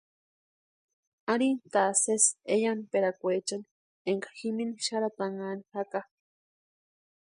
Arhintʼa sésï eyamperakweechani énka jimini xarhatanhani jaka.